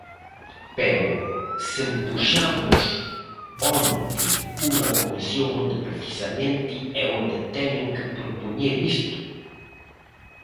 Pero ¡se empuxamos onte unha comisión onde precisamente é onde teñen que propoñer isto!